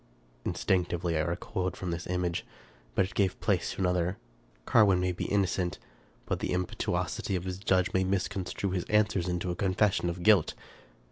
Instinctively I recoiled from this image ; but it gave place to another. Carwin may be innocent, but the impetuosity of his judge may misconstrue his answers into a confession of guilt.